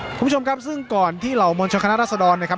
คุณผู้ชมครับซึ่งก่อนที่เหล่ามวลชนคณะรัศดรนะครับ